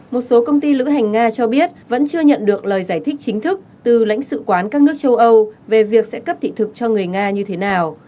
một số công ty lữ hành nga cho biết vẫn chưa nhận được lời giải thích chính thức từ lãnh sự quán các nước châu âu về việc sẽ cấp thị thực cho người nga như thế nào